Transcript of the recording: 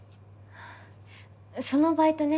そのバイトね